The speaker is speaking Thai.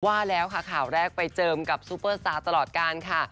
ว่าแล้วค่ะข่าวแรกไปเจิมกับซูเปอร์สตาร์ตลอดการค่ะ